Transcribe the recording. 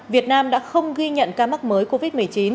việt nam đã không ghi nhận ca mắc mới covid một mươi chín